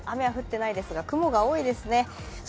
雨は降っていないですが雲が多いですね。